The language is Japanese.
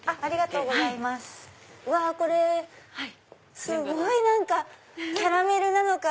うわこれすごいキャラメルなのか。